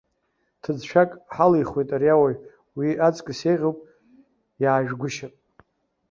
Ҭыӡшәак ҳалихуеит ари ауаҩ, уи аҵкыс еиӷьуп иаажәгәышьап.